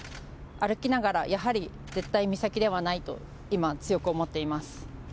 歩きながら、やはり絶対美咲ではないと、今、強く思っています。